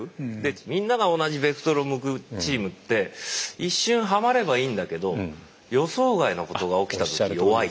みんなが同じベクトルを向くチームって一瞬はまればいいんだけど予想外のことが起きた時弱い。